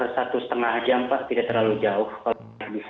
satu setengah jam pak tidak terlalu jauh